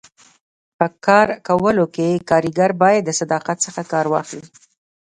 په کار کولو کي کاریګر باید د صداقت څخه کار واخلي.